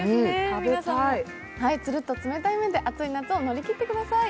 皆さんも、つるっと冷たい麺で暑い夏を乗り切ってください。